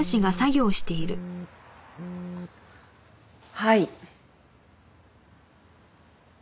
はい。